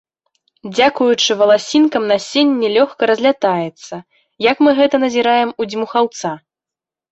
Дзякуючы валасінкам насенне лёгка разлятаецца, як мы гэта назіраем у дзьмухаўца.